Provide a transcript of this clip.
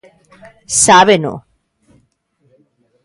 Sábeno.